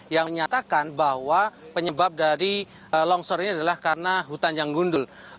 yang menyatakan bahwa penyebab dari longsor ini adalah karena hutan yang gundul